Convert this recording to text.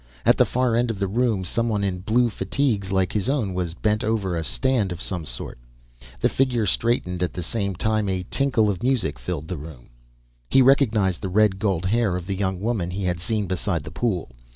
At the far end of the room, someone in blue fatigues like his own was bent over a stand of some sort. The figure straightened at the same time a tinkle of music filled the room. He recognized the red gold hair of the young woman he had seen beside the pool.